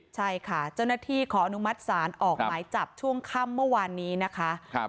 ใช่ค่ะเจ้าหน้าที่ขออนุมัติศาลออกหมายจับช่วงค่ำเมื่อวานนี้นะคะ